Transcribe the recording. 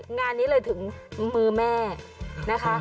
งานนี้เลยถึงมือแม่นะคะ